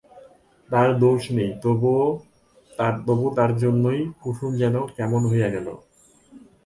তার দোষ নাই, তবু তারই জন্য কুসুম যেন কেমন হইয়া গেল।